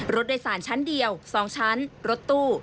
รถโดยสารชั้นเดียว๒ชั้นรถตู้